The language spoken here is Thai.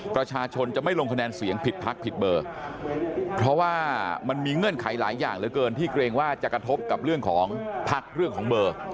ประชาชนจะไม่ลงคะแนนเสียงผิดพักผิดเบอร์เพราะว่ามันมีเงื่อนไขหลายอย่างเหลือเกินที่เกรงว่าจะกระทบกับเรื่องของพักเรื่องของเบอร์